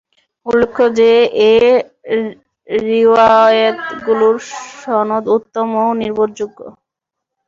উল্লেখ্য যে, এ রিওয়ায়েতগুলোর সনদ উত্তম ও নির্ভরযোগ্য।